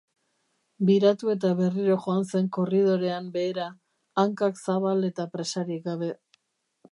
Biratu eta berriro joan zen ko-rridorean behera, hankak zabal eta presarik gabe.